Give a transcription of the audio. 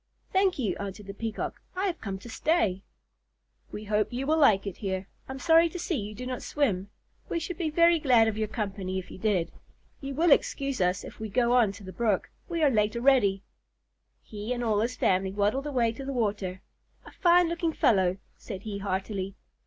"Thank you," answered the Peacock. "I have come to stay." "We hope you will like it here. I'm sorry to see you do not swim. We should be very glad of your company if you did. You will excuse us if we go on to the brook. We are late already." He and all of his family waddled away to the water. "A fine looking fellow," said he heartily.